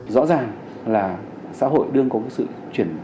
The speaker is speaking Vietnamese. rõ ràng là xã hội đương có sự chuyển